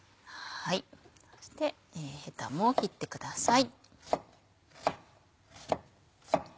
そしてヘタも切ってください。